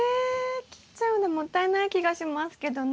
切っちゃうのもったいない気がしますけどね。